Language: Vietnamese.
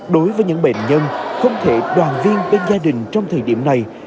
đối với những bệnh nhân không thể đoàn viên bên gia đình trong thời điểm này